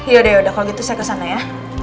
yaudah yaudah kalau gitu saya kesana ya